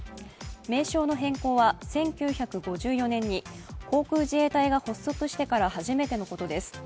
名称の変更は１９５４年に航空自衛隊が発足してから初めてのことです。